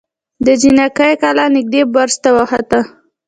د جنګي کلا نږدې برج ته وخوت.